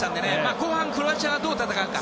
後半、クロアチアがどう戦うか。